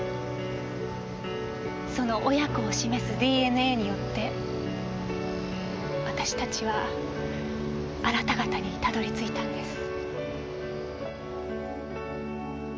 その親子を示すＤＮＡによって私たちはあなた方にたどり着いたんです。